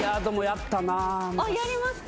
やりますか？